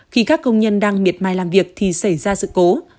khi các công nhân đang miệt mài làm việc thì xảy ra sự cố